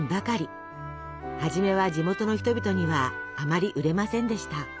初めは地元の人々にはあまり売れませんでした。